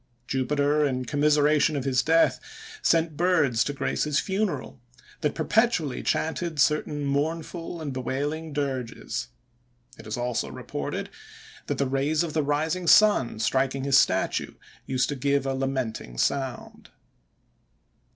Jupiter, in commiseration of his death, sent birds to grace his funeral, that perpetually chanted certain mournful and bewailing dirges. It is also reported, that the rays of the rising sun, striking his statue, used to give a lamenting sound.